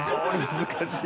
難しい。